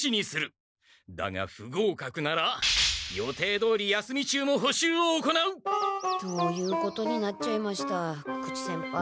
だがふごうかくなら予定どおり休み中も補習を行う！ということになっちゃいました久々知先輩。